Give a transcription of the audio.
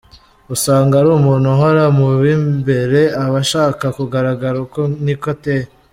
Usanga ari umuntu uhora mu b’imbere, aba ashaka kugaragara uko niko ateye.